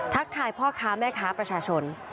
ทายพ่อค้าแม่ค้าประชาชน